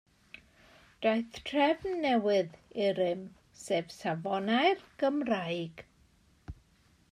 Daeth trefn newydd i rym, sef Safonau'r Gymraeg.